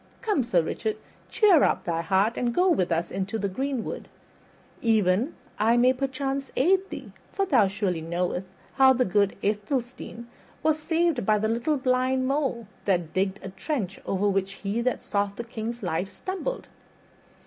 Come, Sir Richard, cheer up thy heart and go with us into the greenwood. Even I may perchance aid thee, for thou surely knowest how the good Athelstane was saved by the little blind mole that digged a trench over which he that sought the king's life stumbled."